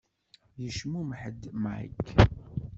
Yecmumeḥ-d Mike.